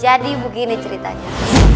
jadi begini ceritanya